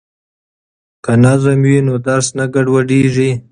که نظم وي نو درس نه ګډوډیږي.